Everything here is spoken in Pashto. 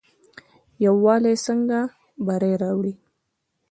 یووالی څنګه بری راوړي؟